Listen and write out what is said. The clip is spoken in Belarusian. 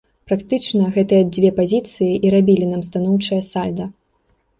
Практычна гэтыя дзве пазіцыі і рабілі нам станоўчае сальда.